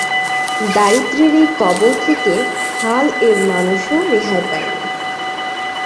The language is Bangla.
দারিদ্র্যের এই কবল থেকে "হাল্" এর মানুষও রেহাই পায়নি।